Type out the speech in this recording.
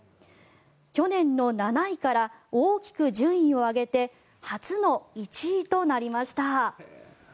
去年の７位から大きく順位を上げて初の１位となりました。